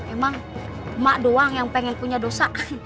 emang emak doang yang pengen punya dosa